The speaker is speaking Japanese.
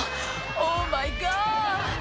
オーマイガー」